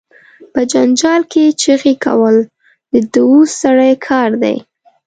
په جنجال کې چغې کول، د دووث سړی کار دي.